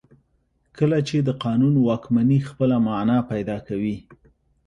کله چې د قانون واکمني خپله معنا پیدا کوي.